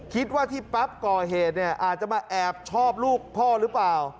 คิดว่าที่ปั๊บก่อเหตุเนี่ยอาจจะมาแอบชอบลูกพ่อหรือเปล่า